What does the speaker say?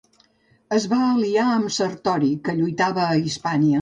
Es va aliar amb Sertori, que lluitava a Hispània.